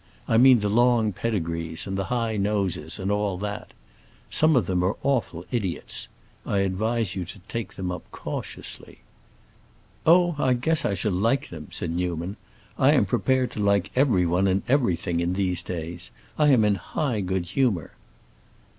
I mean the long pedigrees and the high noses, and all that. Some of them are awful idiots; I advise you to take them up cautiously." "Oh, I guess I shall like them," said Newman. "I am prepared to like every one and everything in these days; I am in high good humor."